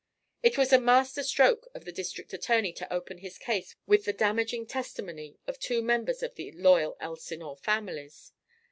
It was a master stroke of the district attorney to open his case with the damaging testimony of two members of the loyal Elsinore families.